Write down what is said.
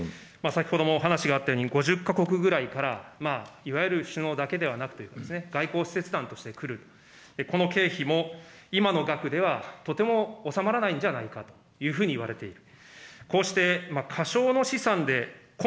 先ほどもお話があったように、５０か国ぐらいからいわゆる首脳だけではなくて、外交使節団として来る、この経費も今の額では、とても収まらないんじゃないかといわれている。